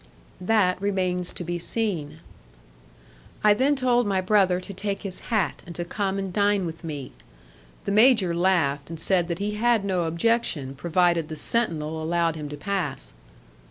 "That remains to be seen." I then told my brother to take his hat, and to come and dine with me. The major laughed, and said that he had no objection provided the sentinel allowed him to pass.